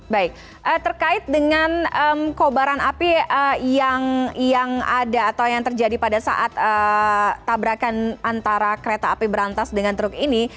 baik terkait dengan kobaran api yang ada atau yang terjadi pada saat tabrakan antara kereta api berantas dengan truk ini